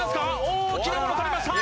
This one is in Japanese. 大きなものとりました！